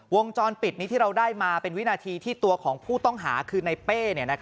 วงจรปิดนี้ที่เราได้มาเป็นวินาทีที่ตัวของผู้ต้องหาคือในเป้